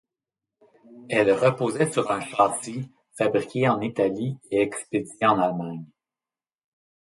Elle reposait sur un châssis fabriqué en Italie et expédié en Allemagne.